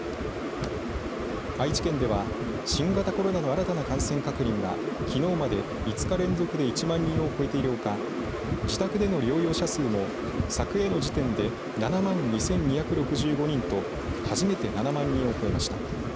愛知県では新型コロナの新たな感染確認がきのうまで５日連続で１万人を超えているほか自宅での療養者数も昨夜の時点で７万２２６５人と初めて７万人を超えました。